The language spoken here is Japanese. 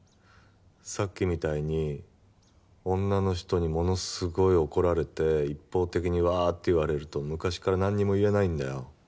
さっきみたいに女の人にものすごい怒られて一方的にワーッて言われると昔からなんにも言えないんだよ。